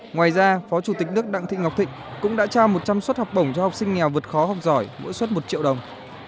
ngoài ra phó chủ tịch nước đặng thị ngọc thịnh cũng đã trao một trăm linh suất học bổng cho học sinh nghèo vượt khó học giỏi mỗi suất một triệu đồng